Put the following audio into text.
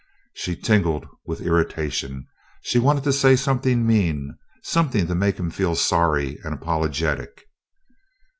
She tingled with irritation. She wanted to say something mean, something to make him feel sorry and apologetic.